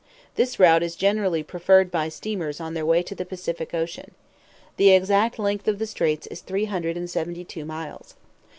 This route is generally preferred by steamers on their way to the Pacific Ocean. The exact length of the straits is 372 miles.